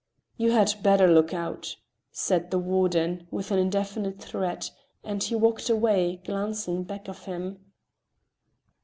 "You had better look out!" said the warden, with an indefinite threat, and he walked away, glancing back of him.